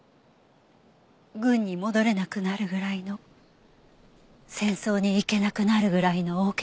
軍に戻れなくなるぐらいの戦争に行けなくなるぐらいの大怪我を。